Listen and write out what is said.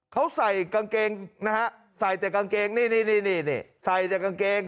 เขาใส่กางเกงนะฮะใส่แต่กางเกงนี่นี่ใส่แต่กางเกง